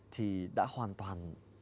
thì đã hoàn toàn